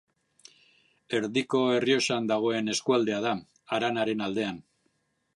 Erdiko Errioxan dagoen eskualdea da, haranaren aldean.